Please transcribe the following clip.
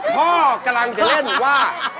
พ่อกำลังจะเล่นว่า